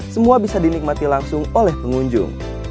semua bisa dinikmati langsung oleh pengunjung